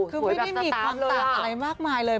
คือไม่ได้มีความต่างอะไรมากมายเลย